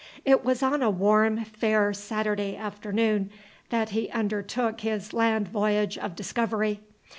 It was on a warm, fair Saturday afternoon that he undertook his land voyage of discovery.